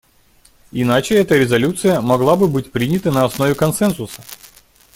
Иначе эта резолюция могла бы быть принята на основе консенсуса.